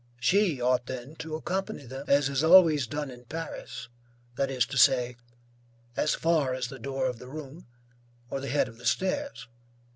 She ought then to accompany them, as is always done in Paris, that is to say, as far as the door of the room, or the head of the stairs.